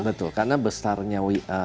betul karena besarnya